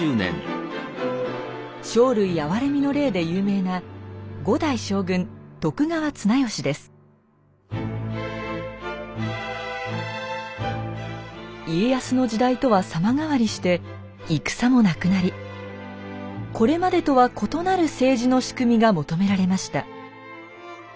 「生類憐れみの令」で有名な家康の時代とは様変わりして戦もなくなりこれまでとは異なる政治の仕組みが求められました。